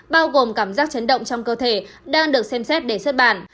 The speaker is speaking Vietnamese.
bao gồm cảm giác chấn động trong cơ thể đang được xem xét để xuất bản